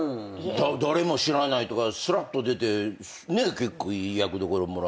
『誰も知らない』とかすらっと出て結構いい役どころもらってさ。